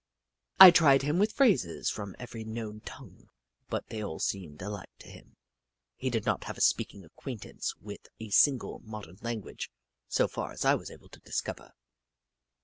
I tried him with phrases from every known tongue, but they all seemed alike to him. He did not have a speaking acquaintance with a single modern language, so far as I was able to discover.